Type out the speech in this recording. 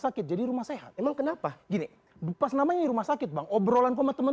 sakit jadi rumah sehat emang kenapa gini pas namanya rumah sakit bang obrolan sama teman